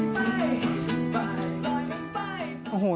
ไปลอยมันไป